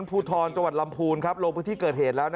ภูทรจลำพูนโรคพิษที่เกิดเหตุ